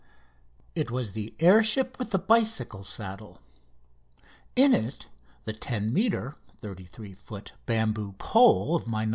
It was the air ship with the bicycle saddle. In it the 10 metre (33 foot) bamboo pole of my "No.